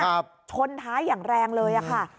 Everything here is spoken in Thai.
ชนท้ายอย่างแรงเลยอ่ะค่ะ